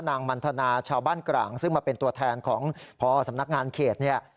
นางมันทนาชาวบ้านกร่างซึ่งมาเป็นตัวแทนของพอสำนักงานเขตเนี่ย